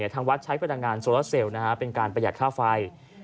ทางวัดใช้พลังงานโซลาเซลล์เป็นการประหยัดค่าไฟ